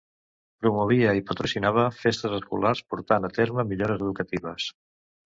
Promovia i patrocinava festes escolars portant a terme millores educatives.